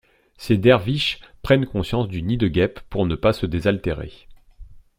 Ces derviches prennent conscience du nid de guêpes pour ne pas se désaltérer.